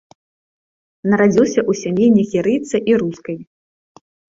Нарадзіўся ў сям'і нігерыйца і рускай.